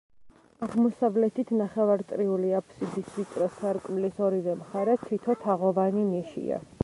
აღმოსავლეთით, ნახევარწრიული აფსიდის ვიწრო სარკმლის ორივე მხარეს თითო თაღოვანი ნიშია.